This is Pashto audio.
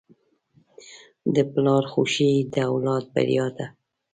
د پلار خوښي د اولاد بریا ده.